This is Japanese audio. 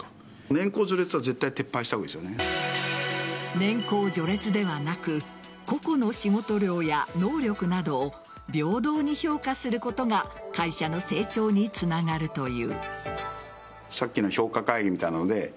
年功序列ではなく個々の仕事量や能力などを平等に評価することが会社の成長につながるという。